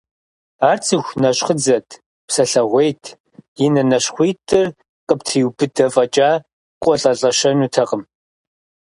Ар цӀыху нэщхъыдзэт, псэлъэгъуейт, и нэ нащхъуитӀыр къыптриубыдэ фӀэкӀа, къолӀэлӀэщэнутэкъым.